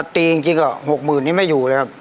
ถัดตีจริงเหรอ๖๐๐๐๐นี่ไม่อยู่เลยครับ